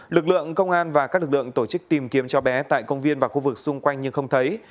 lực lượng công an và các lực lượng tổ chức tìm kiếm cho bé tại công viên và khu vực xung quanh nhưng không thấy